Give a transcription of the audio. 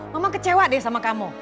memang kecewa deh sama kamu